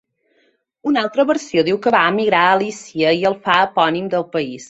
Una altra versió diu que va emigrar a Lícia i el fa epònim del país.